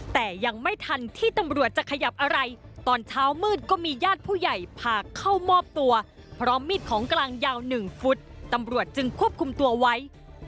แต่ยังไม่ทันที่ตำรวจจะขยับอะไรตอนเช้ามืดก็มีญาติผู้ใหญ่พาเข้ามอบตัวพร้อมมีดของกลางยาว๑ฟุตตำรวจจึงควบคุมตัวไว้